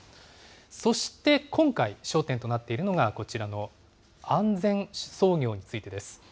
そして今回、焦点となっているのがこちらの安全操業についてです。